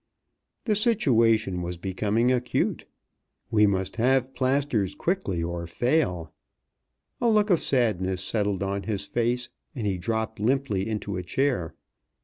The situation was becoming acute. We must have plasters quickly or fail. A look of sadness settled on his face, and he dropped limply into a chair.